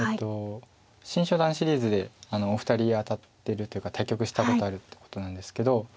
「新初段シリーズ」でお二人当たってるというか対局したことあるってことなんですけど。